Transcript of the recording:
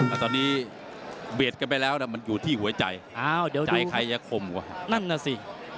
อ่าตอนนี้เบรตกันไปแล้วด่้ามันอยู่ที่หัวใจอาวจะอย่าให้คงกว่านั่นน่ะสิ